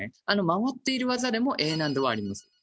あの回っている技でもＡ難度はあります。